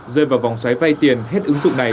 rơi vào vòng xoáy vay tiền hết ứng dụng này